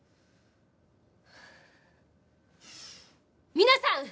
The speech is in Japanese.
皆さん！